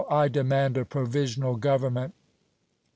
I demand a provisional government!"